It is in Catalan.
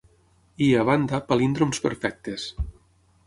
I, a banda, palíndroms perfectes.